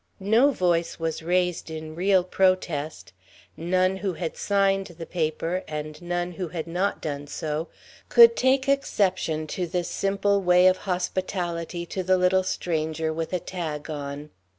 No voice was raised in real protest. None who had signed the paper and none who had not done so could take exception to this simple way of hospitality to the little stranger with a tag on.